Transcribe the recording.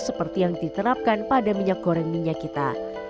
seperti yang diterapkan pada minyak goreng minyak kita